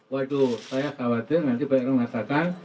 waduh saya khawatir nanti banyak yang mengatakan